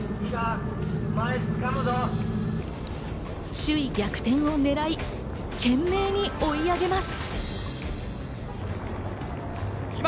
首位逆転を狙い、懸命に追い上げます。